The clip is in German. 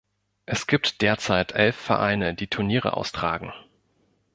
Es gibt derzeit elf Vereine, die Turniere austragen.